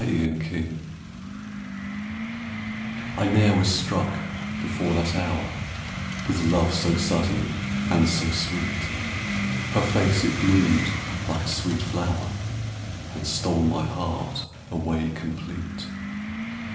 First Love I ne'er was struck before that hour With love so sudden and so sweet. Her face it bloomed like a sweet flower And stole my heart away complete.